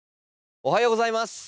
おはようございます。